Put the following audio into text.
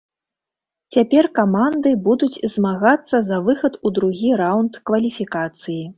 Цяпер каманды будуць змагацца за выхад у другі раунд кваліфікацыі.